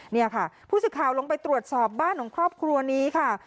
นี่ค่ะผู้สื่อข่าวลงไปตรวจสอบบ้านของครอบครัวนี้ค่ะ